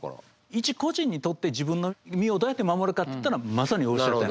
一個人にとって自分の身をどうやって守るかっていったらまさにおっしゃるとおり。